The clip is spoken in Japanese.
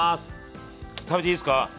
食べていいですか？